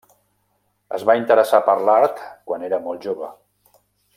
Es va interessar per l'art quan era molt jove.